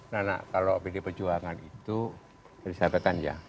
nah kalau pdp juangan itu jadi saya katakan ya